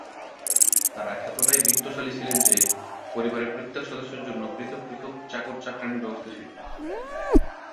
তারা এতোটাই বিত্তশালী ছিলেন যে, পরিবারের প্রত্যেক সদস্যের জন্য পৃথক পৃথক চাকর-চাকরানির ব্যবস্থা ছিল।